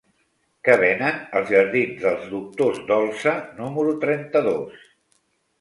Què venen als jardins dels Doctors Dolsa número trenta-dos?